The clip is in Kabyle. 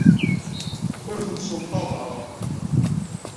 Ur tent-ssenṭaḍeɣ.